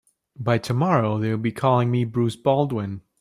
By tomorrow they'll be calling me Bruce Baldwin.